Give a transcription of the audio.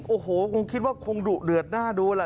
โอ้โหคงคิดว่าคงดุเดือดหน้าดูแหละ